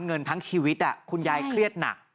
เงินทั้งชีวิตคุณยายเครียดหนัก